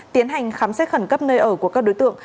tiến hành khám xét khẩn cấp nơi ở của các đối tượng